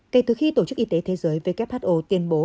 kể từ khi tổ chức y tế thế giới who tuyên bố